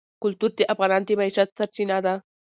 کلتور د افغانانو د معیشت سرچینه ده.